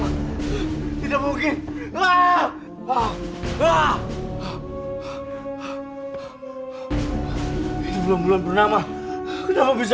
ah ah ah hah revolves